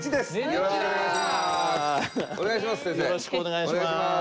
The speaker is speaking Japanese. よろしくお願いします。